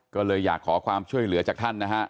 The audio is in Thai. ก็เลยอยากขอความช่วยเหลือจากท่านนะฮะ